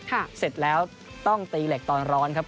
เสร็จแล้วต้องตีเหล็กตอนร้อนครับ